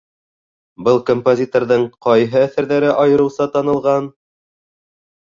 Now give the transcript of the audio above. Был композиторҙың ҡайһы әҫәрҙәре айырыуса танылған?